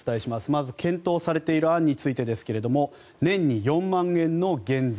まず検討されている案についてですが年に４万円の減税。